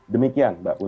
demikian mbak udri